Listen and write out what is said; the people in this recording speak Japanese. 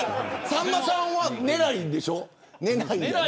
さんまさんは寝ないんでしょ。